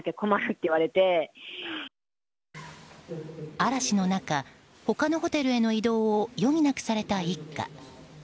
嵐の中、他のホテルへの移動を余儀なくされた一家。